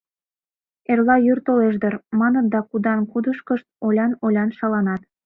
— Эрла йӱр толеш дыр, — маныт да кудан-кудышкышт олян-олян шаланат.